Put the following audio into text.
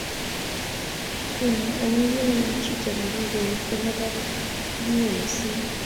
Nguno amu inye ii chito ne kikoet komagat inai komie missing